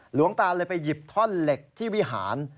หลวงตาเลยไปหยิบท่อนเหล็กที่วิหาร